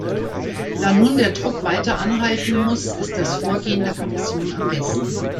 Da nun der Druck weiter anhalten muss, ist das Vorgehen der Kommission am besten.